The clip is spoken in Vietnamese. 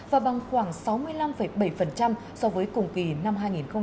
và bằng khoảng sáu mươi năm bảy so với cùng kỳ năm hai nghìn một mươi tám